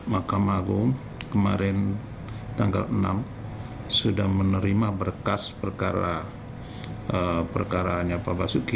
mahkamah agung kemarin tanggal enam sudah menerima berkas perkara perkaranya pak basuki